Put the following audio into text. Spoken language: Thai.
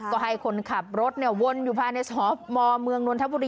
ก็ให้คนขับรถวนอยู่ภายในสมเมืองนนทบุรี